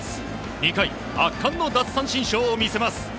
２回、圧巻の奪三振ショーを見せます。